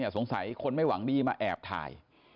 สงสัยคนไม่หวังดีมาแอบถ่าย